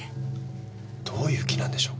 どういう気なんでしょうか。